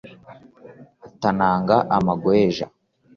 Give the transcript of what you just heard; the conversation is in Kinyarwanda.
atanaga amagweja